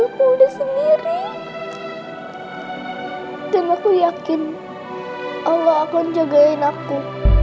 aku udah sendiri dan aku yakin allah akan jagain aku